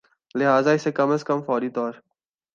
لہذا اسے کم از کم فوری طور